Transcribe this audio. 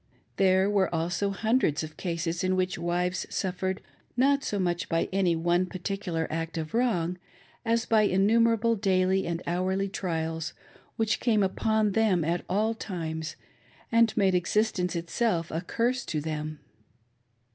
There were also hundreds of cases in which wives suffered, not so much by any one particular act of wrong, as by innumerable daily and hourly trials, which came ■upon them at all times, and made existence itself a curse to them.